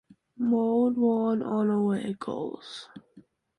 Molde won on away goals.